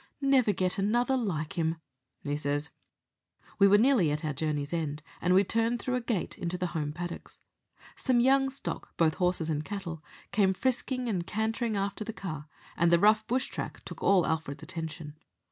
'Never get another like him,' he says." We were nearly at our journey's end, and we turned through a gate into the home paddocks. Some young stock, both horses and cattle, came frisking and cantering after the car, and the rough bush track took all Alfred's attention.